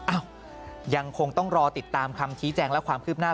ยังคงต้องรอติดตามคำชี้แจงและความคืบหน้า